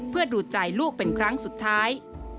เพื่อดูใจลูกเป็นครั้งสุดท้าย